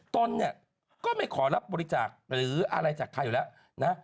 ตนเนี่ยก็ไม่ขอรับบริจาคหรืออะไรจากใครอยู่แล้วนะ